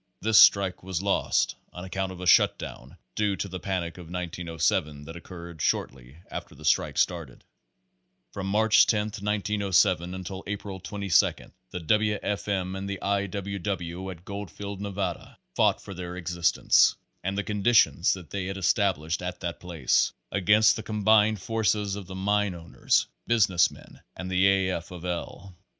This strike was lost on account of a shutdown due to the panic of 1907 that occurred shortly after the strike started. Page Twenty From March 10, 1907, until April 22, the W. F. M. and the I. W. W. at Goldfield, Nevada, fought for their existence (and the conditions that they had established at that place) against the combined forces of the mine owners, business men and A. F. of L.